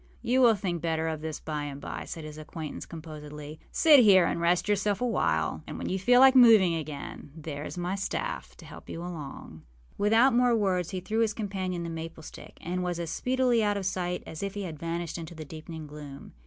â âYou will think better of this by and by,â said his acquaintance, composedly. âSit here and rest yourself a while; and when you feel like moving again, there is my staff to help you along.â Without more words, he threw his companion the maple stick, and was as speedily out of sight as if he had vanished into the deepening gloom.